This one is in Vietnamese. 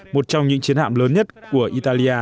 một trong những chiến hạm lớn nhất của italia